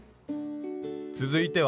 続いては。